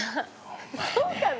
そうかな？